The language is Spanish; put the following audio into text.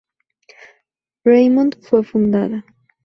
Raymond fue fundada.